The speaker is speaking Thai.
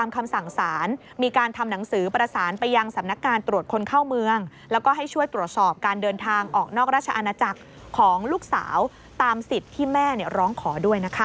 ของลูกสาวตามสิทธิ์ที่แม่ร้องขอด้วยนะคะ